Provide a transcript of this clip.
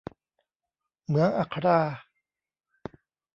เหมืองอัครา